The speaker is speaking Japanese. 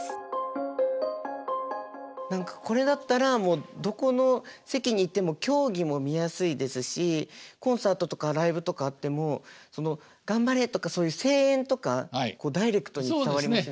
何かこれだったらどこの席にいても競技も見やすいですしコンサートとかライブとかあっても頑張れとかそういう声援とかダイレクトに伝わりますよね。